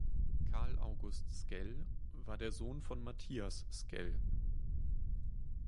Carl August Sckell war der Sohn von Matthias Sckell.